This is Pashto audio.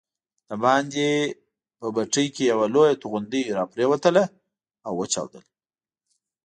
دباندې په بټۍ کې یوه لویه توغندۍ راپرېوتله او وچاودل.